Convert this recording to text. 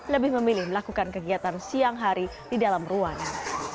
lebih memilih melakukan kegiatan siang hari di dalam ruangan